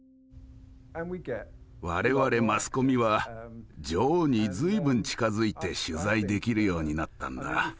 我々マスコミは女王に随分近づいて取材できるようになったんだ。